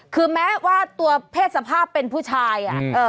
คือแม้ว่าตัวเพศสภาพเป็นผู้ชาย